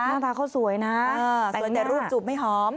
หน้าตาเขาสวยนะสวยแต่รูปจูบไม่หอม